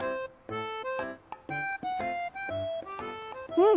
うん！